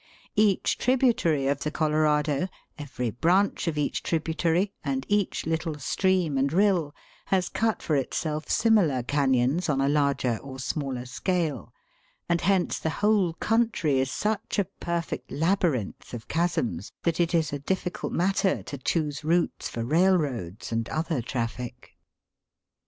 Each tributary of the Colorado, every branch of each tributary, and each little stream and rill, has cut for itself similar canons on a larger or smaller scale, and hence the whole country is such a perfect labyrinth of chasms, that it is a difficult matter to choose routes for railroads and other traffic.